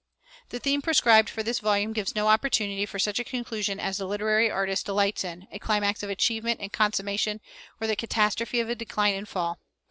The theme prescribed for this volume gives no opportunity for such a conclusion as the literary artist delights in a climax of achievement and consummation, or the catastrophe of a decline and fall.